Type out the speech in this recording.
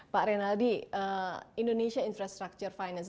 pak renaldi indonesia infrastructure finance